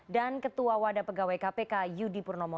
dan ketua wadah pegawai kpk yudi purnomo